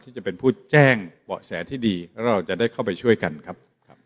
จะเป็นผู้แจ้งเบาะแสที่ดีแล้วเราจะได้เข้าไปช่วยกันครับ